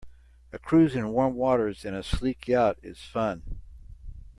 A cruise in warm waters in a sleek yacht is fun.